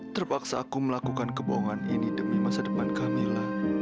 terpaksa aku melakukan kebohongan ini demi masa depan kamilah